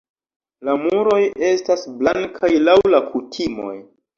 La muroj estas blankaj laŭ la kutimoj.